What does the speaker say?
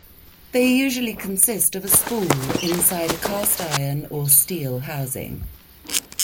They usually consist of a spool inside a cast iron or steel housing.